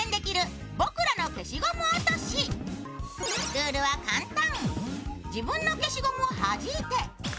ルールは簡単。